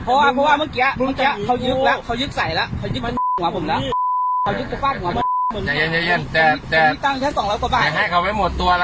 เพราะว่าเมื่อเช้าเค้ายึกละเค้ายึกใส่ละ